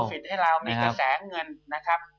เทคโปรฟิตให้เราในกระแสเงินนะครับ